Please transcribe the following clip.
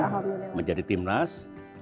sekarang menjadi timnas